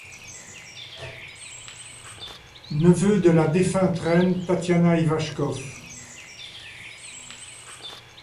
Neuveux de la défunte reine Tatiana Ivashkov.